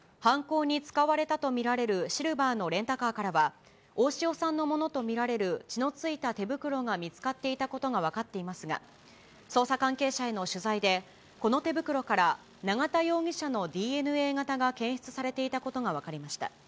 犯行に使われたと見られるシルバーのレンタカーからは、大塩さんのものと見られる血の付いた手袋が見つかっていたことが分かっていますが、捜査関係者への取材で、この手袋から永田容疑者のＤＮＡ型が検出されていたことが分かりました。